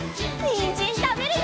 にんじんたべるよ！